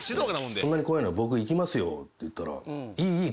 そんなに怖いのなら僕行きますよって言ったら。